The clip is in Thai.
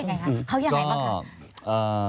ยังไงคะเขายังไงบ้างคะ